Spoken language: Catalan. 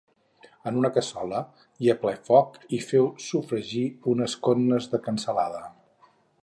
En una cassola i a ple foc hi feu sofregir unes cotnes de cansalada